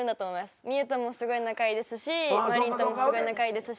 望結ともすごい仲いいですし真凜ともすごい仲いいですし。